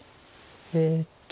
えっと。